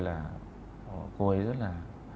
là cô ấy rất là